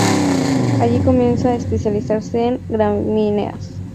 Allí comienza a especializarse en gramíneas.